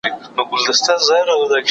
هغه پوهیده چې د هېواد حالت خطرناک دی.